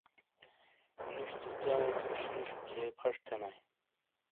نُش تو چائیں سے شیشے کھئیے پھش تھینائیے۔